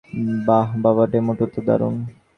বাহ, বাবা, ডোমোটা তো দারুণ।